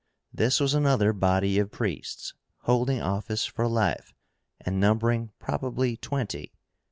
This was another body of priests holding office for life, and numbering probably twenty.